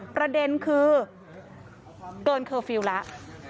ประเด็นคือเกินเคอร์ฟิลล์แล้ว